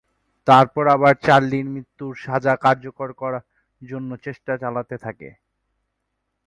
তারপরে আবার চার্লির মৃত্যুর সাজা কার্যকর করার জন্য চেষ্টা চলতে থাকে।